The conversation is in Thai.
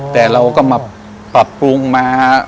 แต่เราก็มาปรับปรุงมา